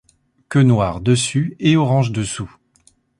Queue noire dessus et orange dessous.